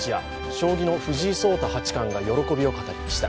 将棋の藤井聡太八冠が喜びを語りました。